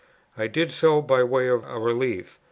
I did so by way of a relief.